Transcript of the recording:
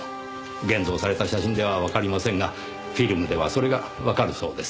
現像された写真ではわかりませんがフィルムではそれがわかるそうです。